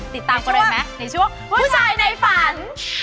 ติดตามกันเลยไหมในช่วงผู้ชายในฝัน